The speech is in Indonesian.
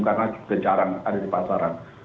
karena juga jarang ada di pasar